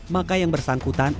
maka yang bersangkutan